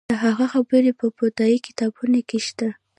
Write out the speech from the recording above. د هغه خبرې په بودايي کتابونو کې شته